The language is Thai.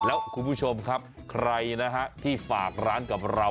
แล้วคุณผู้ชมครับใครนะฮะที่ฝากร้านกับเรา